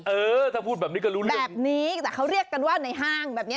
เออถ้าพูดแบบนี้ก็รู้นะแบบนี้แต่เขาเรียกกันว่าในห้างแบบนี้